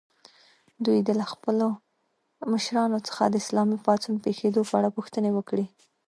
دوی دې له خپلو مشرانو څخه د اسلامي پاڅون پېښېدو په اړه پوښتنې وکړي.